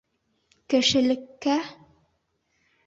Кешелеккә?